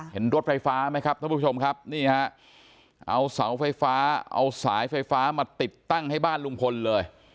เห็นรถไฟฟ้าไหมครับท่านผู้ชมครับนี่ฮะเอาเสาไฟฟ้าเอาสายไฟฟ้ามาติดตั้งให้บ้านลุงพลเลย